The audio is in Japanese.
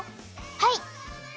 はい！